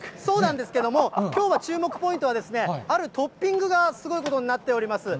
きょうは注目ポイントは、あるトッピングがすごいことになっております。